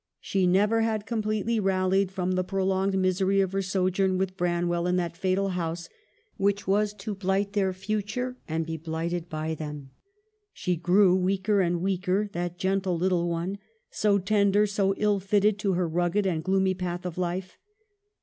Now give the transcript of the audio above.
She never had completely rallied from the prolonged misery of her sojourn with Branwell in that fatal house which was to blight their future and be blighted by them. She grew weaker and weaker, that " gentle little one," so tender, so ill fitted to her rugged and gloomy path of life.